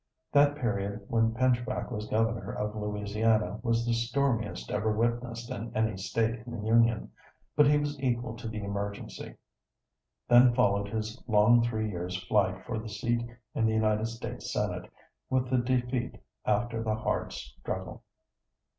That period when Pinchback was Governor of Louisiana was the stormiest ever witnessed in any state in the Union; but he was equal to the emergency. Then followed his long three years' fight for the seat in the United States Senate, with the defeat after the hard struggle.